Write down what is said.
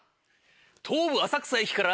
東武浅草駅から。